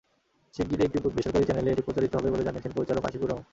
শিগগিরই একটি বেসরকারি চ্যানেলে এটি প্রচারিত হবে বলে জানিয়েছেন পরিচালক আশিকুর রহমান।